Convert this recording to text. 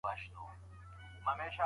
زړونه باید بې له ارادې بدل نه سي.